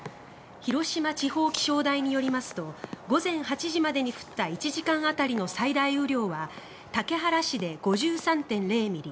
広島地方気象台によりますと午前８時までに降った１時間当たりの最大雨量は竹原市で５３．０ミリ